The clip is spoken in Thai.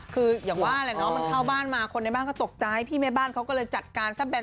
คืออย่างว่าแหละเนาะมันเข้าบ้านมาคนในบ้านก็ตกใจพี่แม่บ้านเขาก็เลยจัดการซะแนน